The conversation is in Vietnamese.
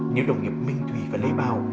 những đồng nghiệp minh thủy và lê bào